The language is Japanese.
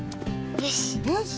よし。